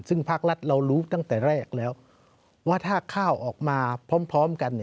ซึ่งภาครัฐเรารู้ตั้งแต่แรกแล้วว่าถ้าข้าวออกมาพร้อมกัน